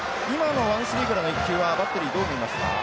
今のワンスリーからの一球はバッテリーどう見ますか？